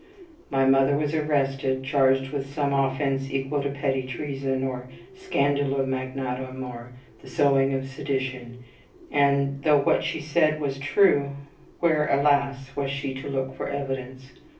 My mother was arrested, charged with some offense equal to petty treason, or scandalum magnatum, or the sowing of sedition; and, though what she said was true, where, alas! was she to look for evidence?